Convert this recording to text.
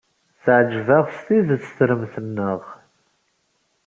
Teɛjeb-aɣ s tidet tremt-nneɣ.